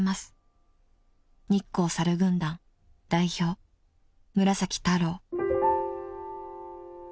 ［「日光さる軍団代表村太郎」］